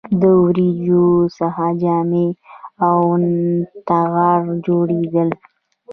د وړیو څخه جامې او ټغر جوړیدل